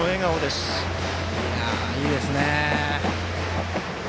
いいですね。